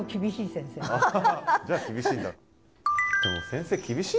じゃあ厳しいんだ。